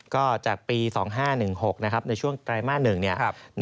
ก็จากปี๒๐๐๕๒๐๑๖ในช่วงไตรมาน๑เนี่ย